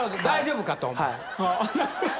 大丈夫かと。